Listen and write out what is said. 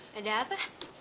pan ada apa